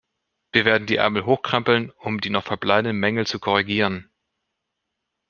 Wir werden die Ärmel hochkrempeln, um die noch verbleibenden Mängel zu korrigieren.